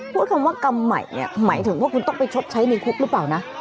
พูดคำว่ากรรมใหม่เนี่ยหมายถึงว่าคุณต้องไปชดใช้ในคุกหรือเปล่านะ